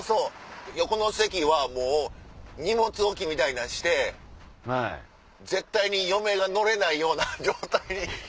横の席はもう荷物置きみたいなんにして絶対に嫁が乗れないような状態に。